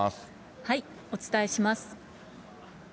お伝えします。